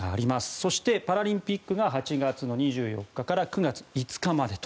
そして、パラリンピックが８月２４日から９月５日までと。